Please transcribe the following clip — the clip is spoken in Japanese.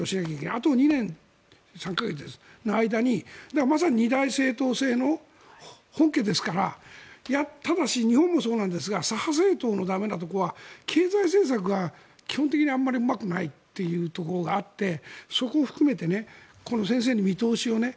あと２年３か月の間にまさに二大政党制の本家ですからただし、日本もそうなんですが左派政党の駄目なところは経済政策が基本的にあまりうまくないというところがあってそこを含めて今度、先生に見通しをね。